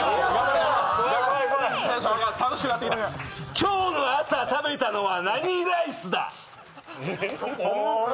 今日の朝食べたのは何ライスだ？